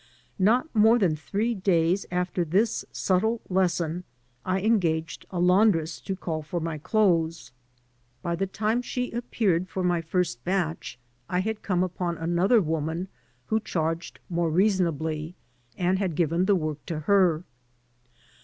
Not more than three days after this subtle lesson I engaged a laundress to call for my clothes. By the 246 HARVEY time she appeared for my first batch I had come upon another woman who charged more reasonably and had given the work to her.